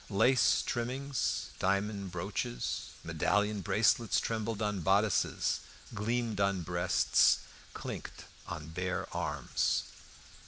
Lace trimmings, diamond brooches, medallion bracelets trembled on bodices, gleamed on breasts, clinked on bare arms.